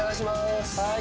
はい。